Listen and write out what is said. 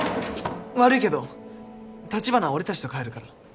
悪いけど橘は俺たちと帰るから。